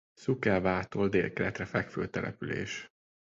Suceavától délkeletre fekvő település.